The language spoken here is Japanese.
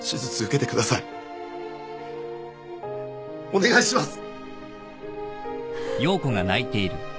お願いします。